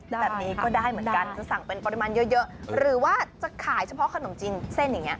แบบนี้ก็ได้เหมือนกันคือสั่งเป็นปริมาณเยอะหรือว่าจะขายเฉพาะขนมจีนเส้นอย่างนี้